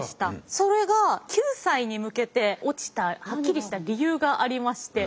それが９歳に向けて落ちたはっきりした理由がありまして。